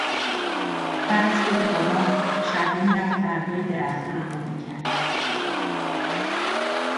بعد از فوت بابام شهلا می رفت برگای درختا رو بو می کرد